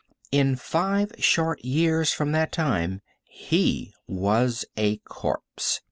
In five short years from that time he was a corpse.